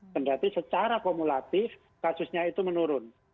kendati secara kumulatif kasusnya itu menurun